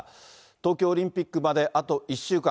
東京オリンピックまであと１週間。